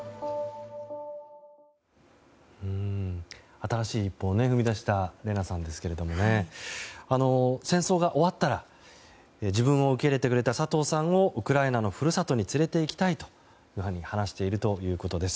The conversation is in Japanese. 新しい一歩を踏み出したレナさんですが戦争が終わったら自分を受け入れてくれた佐藤さんをウクライナの故郷に連れていきたいと話しているということです。